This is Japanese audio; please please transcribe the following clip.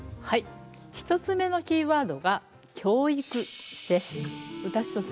はい１つ目のキーワードが「教育」です。